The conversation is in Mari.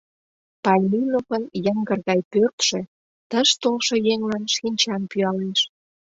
Пальминовын йыҥгыр гай пӧртшӧ, тыш толшо еҥлан шинчам пӱялеш.